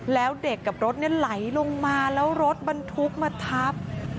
แล้วเด็กกับรถไหลลงมาแล้วรถบรรทุกมาทับ